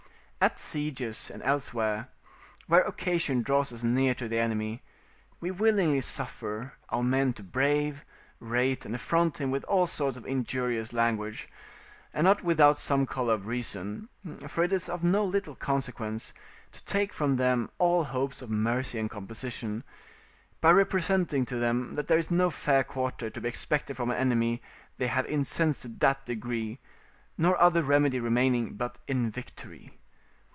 At sieges and elsewhere, where occasion draws us near to the enemy, we willingly suffer our men to brave, rate, and affront him with all sorts of injurious language; and not without some colour of reason: for it is of no little consequence to take from them all hopes of mercy and composition, by representing to them that there is no fair quarter to be expected from an enemy they have incensed to that degree, nor other remedy remaining but in victory.